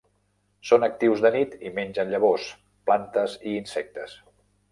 Són actius de nit i mengen llavors, plantes i insectes.